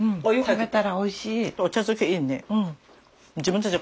食べたらおいしい。